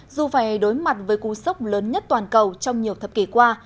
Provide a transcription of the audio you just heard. dù phải đối mặt với cú sốc lớn nhất toàn cầu trong nhiều thập kỷ qua